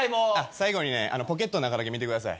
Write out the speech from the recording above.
最後にねポケットの中だけ見てください。